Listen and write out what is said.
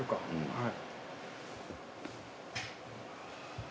はい。